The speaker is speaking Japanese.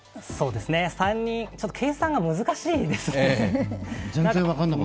ちょっと計算が難しいですね。